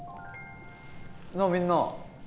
なあみんな！